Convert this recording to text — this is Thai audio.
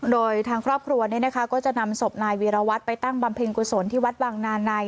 โดยทางครอบครัวเนี้ยนะคะก็จะนำศพนายวีรวัตรไปตั้งบำพิงกุศลที่วัดบางนาใน